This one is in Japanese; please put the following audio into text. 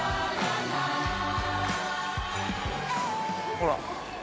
ほら。